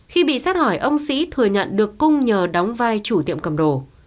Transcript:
khi bị xét hỏi ông sĩ thừa nhận được cung nhờ đóng vai chủ tiệm cầm đồ